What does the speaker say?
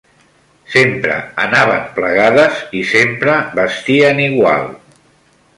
Sempre anaven plegades, i sempre vestien igual